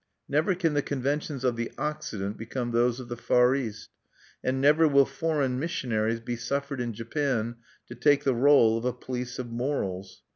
Never can the conventions of the Occident become those of the Far East; and never will foreign missionaries be suffered in Japan to take the role of a police of morals.